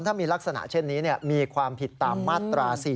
ถ้ามีลักษณะเช่นนี้มีความผิดตามมาตรา๔๔